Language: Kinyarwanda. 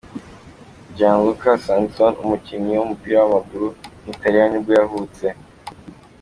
Gianluca Sansone, umukinnyi w’umupira w’amaguru w’umutaliyani nibwo yavutse.